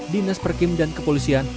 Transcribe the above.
dinas perkim dan kepolisian